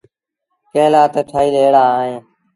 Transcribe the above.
ڪݩهݩ لآ تا ٺهيٚل ايڙآ اوهيݩ۔